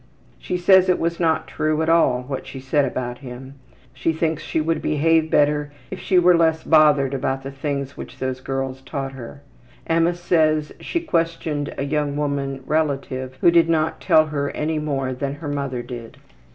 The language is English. She says it was not true at all what she said about him. She thinks she would behave better if she were less bothered about the things which those girls taught her. Emma says she questioned a young woman relative who did not tell her any more than her mother did.